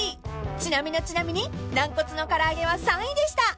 ［ちなみのちなみになんこつの唐揚げは３位でした］